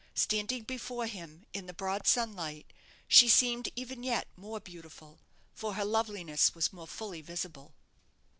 Standing before him, in the broad sunlight, she seemed even yet more beautiful, for her loveliness was more fully visible.